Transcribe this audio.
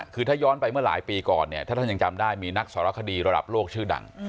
คือถ้าย้อนไปเมื่อหลายปีก่อนเนี่ยถ้าท่านยังจำได้มีนักสารคดีระดับโลกชื่อดัง